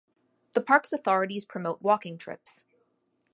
The park's authorities promote walking trips.